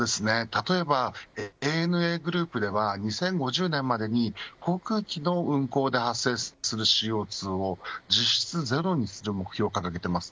例えばＡＮＡグループでは２０５０年までに航空機の運航で発生するＣＯ２を実質ゼロにする目標を掲げています。